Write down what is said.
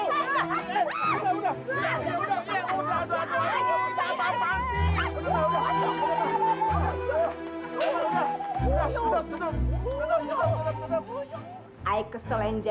maka dia menganggap rupiah ini karena pembunuhan dirinya